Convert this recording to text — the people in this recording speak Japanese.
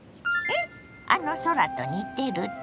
あの空と似てるって？